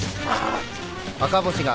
ああ！